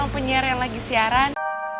penyiar yang lagi siaran